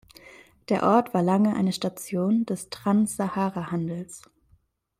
Der Ort war lange eine Station des Transsaharahandels.